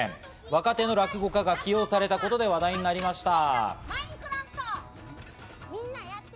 若手の落語家が起用されたことで話題になりました。